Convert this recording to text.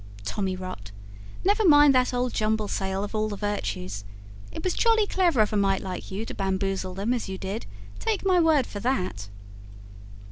"Tommyrot! Never mind that old jumble sale of all the virtues. It was jolly clever of a mite like you to bamboozle them as you did take my word for that."